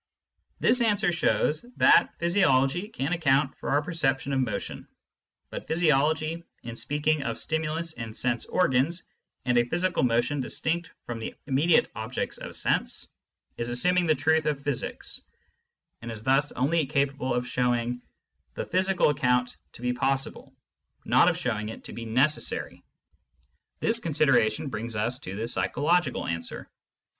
This answer shows that physiology can account for our perception of motion. But physiology, in speaking of stimulus and sense organs and a physical motion distinct from the immediate object of sense, is assuming the truth of physics, and is thus only capable of showing the physical account to be possible, not of showing it to be necessary. This consideration brings us to the psycho logical answer.